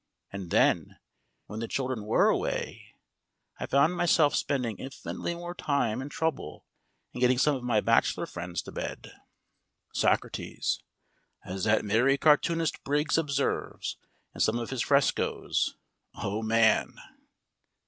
And then, when the children were away, I found myself spending infinitely more time and trouble in getting some of my bachelor friends to bed. SOCRATES: As that merry cartoonist Briggs observes in some of his frescoes, Oh Man!